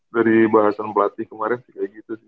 dari bahasan pelatih kemarin sih kayak gitu sih